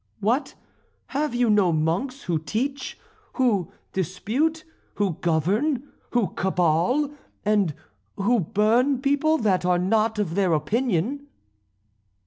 "What! have you no monks who teach, who dispute, who govern, who cabal, and who burn people that are not of their opinion?"